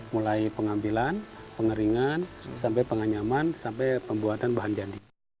mulai pengambilan pengeringan sampai penganyaman sampai pembuatan bahan jadi